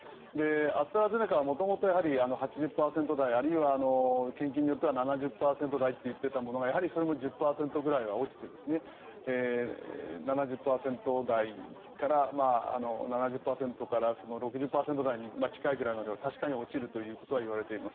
アストラゼネカは元々８０％台あるいは研究によっては７０％台といったものがやはりそれも１０％ぐらいは落ちて７０％台から６０％台に近いぐらいまで確かに落ちるということはいわれております。